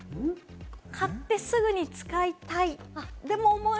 買ってすぐに使いたい、でも重い。